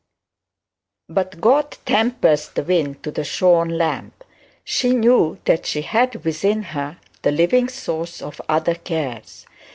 But God tempers the wind to the shorn lamb. She knew that she had within her the living source of other cares.